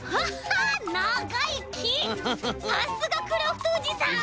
さすがクラフトおじさん！